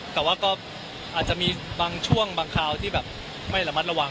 แต่ว่าก็อาจจะมีบางช่วงบางคราวที่แบบไม่ระมัดระวัง